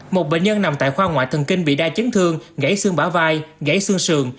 một bệnh nhân nằm tại khoa ngoại thần kinh bị đa chấn thương gãy xương bả vai gãy xương sườn